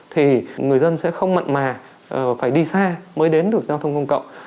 thì người dân sẽ không mặn mà phải đi xa mới đến được giao thông công cộng